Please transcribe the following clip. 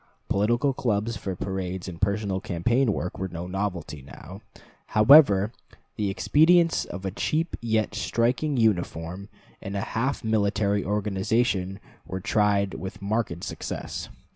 Political clubs, for parades and personal campaign work, were no novelty; now, however, the expedients of a cheap yet striking uniform and a half military organization were tried with marked success.